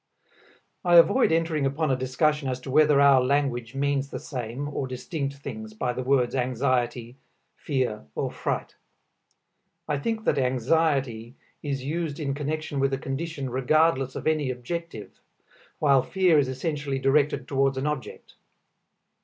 I avoid entering upon a discussion as to whether our language means the same or distinct things by the words anxiety, fear or fright. I think that anxiety is used in connection with a condition regardless of any objective, while fear is essentially directed toward an object.